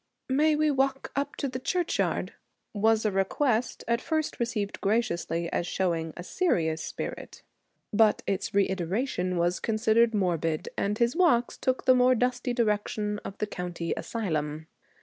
'May we walk up to the churchyard?' was a request at first received graciously as showing a serious spirit. But its reiteration was considered morbid, and his walks took the more dusty direction of the County Asylum.